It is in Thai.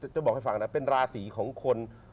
จะบอกให้ฟังนะเป็นราศีของคน